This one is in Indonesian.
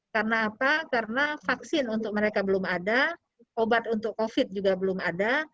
karena apa karena vaksin untuk mereka belum ada obat untuk covid juga belum ada